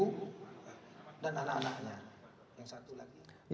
yang satu lagi